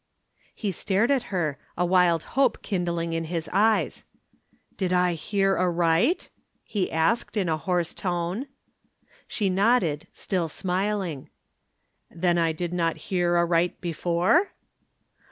He stared at her, a wild hope kindling in his eyes. "Did I hear aright?" he asked in a horse tone. She nodded, still smiling. "Then I did not hear aright before?"